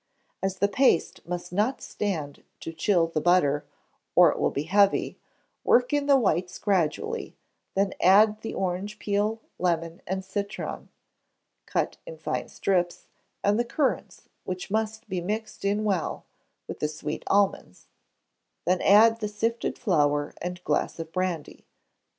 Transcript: As the paste must not stand to chill the butter, or it will be heavy, work in the whites gradually, then add the orange peel, lemon, and citron, cut in fine strips, and the currants, which must be mixed in well, with the sweet almonds; then add the sifted flour and glass of brandy.